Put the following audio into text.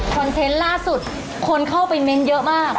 เทนต์ล่าสุดคนเข้าไปเม้นต์เยอะมาก